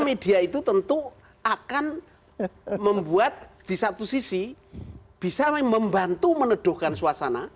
media itu tentu akan membuat di satu sisi bisa membantu meneduhkan suasana